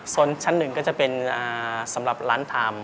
ส่วนชั้นหนึ่งก็จะเป็นสำหรับร้านทำ